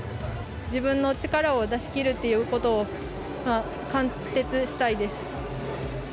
自分の力を出し切るということを貫徹したいです。